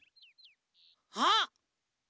あっ！